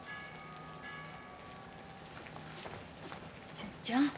純ちゃん。